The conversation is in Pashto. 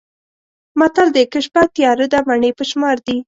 متل دی: که شپه تیاره ده مڼې په شمار دي.